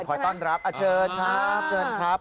ขอต้อนรับเชิญครับ